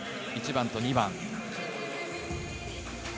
１番と２番。